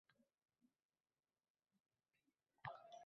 Odamlar kelib-ketaveradi, avlodlar almashaveradi.